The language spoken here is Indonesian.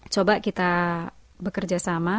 coba kita bekerja sama